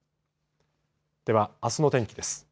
では、あすの天気です。